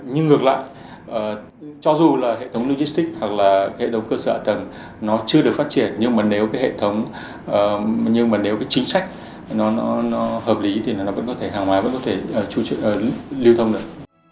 nhưng ngược lại cho dù là hệ thống logistic hoặc là hệ thống cơ sở tầng nó chưa được phát triển nhưng mà nếu cái hệ thống nhưng mà nếu cái chính sách nó hợp lý thì nó vẫn có thể hàng hóa vẫn có thể lưu thông được